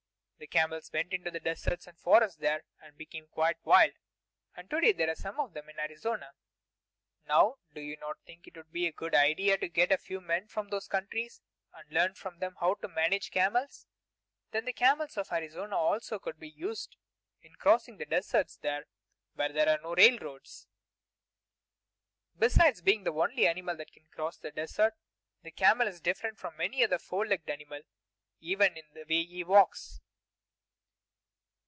The camels went into the deserts and forests there, and became quite wild, and to day there are some of them in Arizona. Now, do you not think it would be a good idea to get a few men from those countries and learn from them how to manage camels? Then the camels of Arizona also could be used in crossing the deserts there, where there are no railroads. Besides being the only animal that can cross the desert, the camel is different from any other four legged animal even in the way he walks.